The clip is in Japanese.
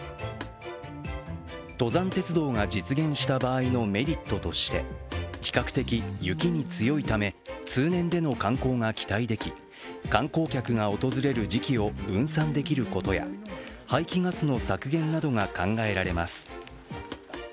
登山鉄道が実現した場合のメリットとして、比較的、雪に強いため通年での観光が期待でき、観光客が訪れる時期を分散できることや排気ガスの削減などが考えられます。